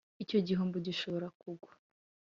icyo gihombo gishobora kugwa